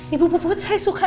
ibu ibu saya suka